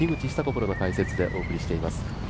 プロの解説でお届けしています。